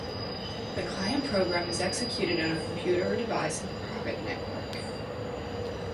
The client program is executed on a computer or device in the private network.